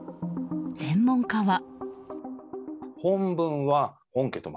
専門家は。